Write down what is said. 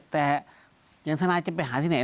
แต่อย่างทนายจะไปหาที่ไหน